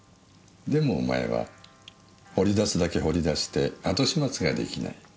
でもお前は掘り出すだけ掘り出して後始末ができない。